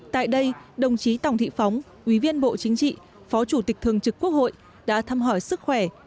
tại đây đồng chí tòng thị phóng ủy viên bộ chính trị phó chủ tịch thường trực quốc hội đã thăm hỏi sức khỏe